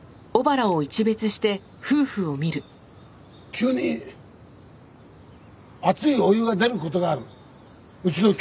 急に熱いお湯が出る事があるうちの給湯器は。